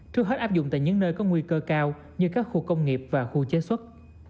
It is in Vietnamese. trước hết áp dụng tại những nơi có nguy cơ cao như các khu công nghiệp và khu chế xuất